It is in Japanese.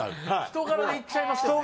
人柄でいっちゃいますよね